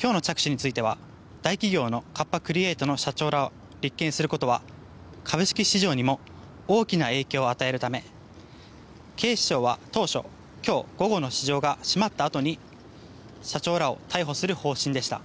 今日の着手については大企業のカッパ・クリエイトの社長らを立件することは株式市場にも大きな影響を与えるため警視庁は当初、今日午後の市場が閉まったあとに社長らを逮捕する方針でした。